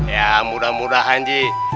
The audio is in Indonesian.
ya mudah mudahan ji